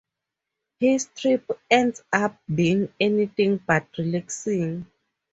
His trip ends up being anything but relaxing.